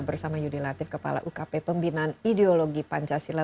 bersama yudi latif kepala ukp pembinaan ideologi pancasila